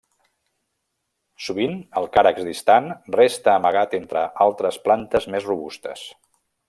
Sovint el càrex distant resta amagat entre altres plantes més robustes.